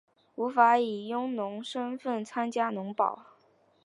无法以佃农身分参加农保